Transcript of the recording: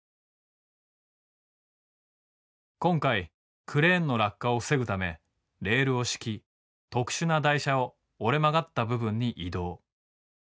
今回クレーンの落下を防ぐためレールを敷き特殊な台車を折れ曲がった部分に移動。